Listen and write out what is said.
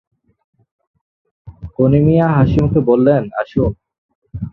মিয়া গনি হাসিমুখে বললেন, আসুন।